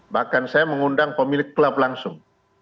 bahkan saya mengundang pemilik klub langsung